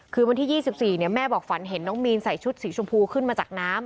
คือวันที่๒๔แม่บอกฝันเห็นน้องมีนใส่ชุดสีชมพูขึ้นมาจากน้ำ